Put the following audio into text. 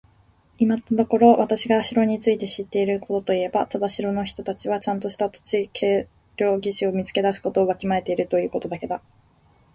今のところ私が城について知っていることといえば、ただ城の人たちはちゃんとした土地測量技師を見つけ出すことをわきまえているということだけだ。